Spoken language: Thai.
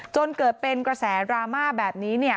จนเกิดเป็นกระแสดราม่าแบบนี้เนี่ย